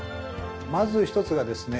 まず１つがですね